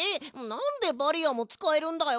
なんでバリアーもつかえるんだよ！